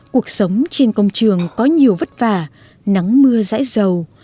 cuộc sống trên công trường có nhiều vất vả nắng mưa rãi giàu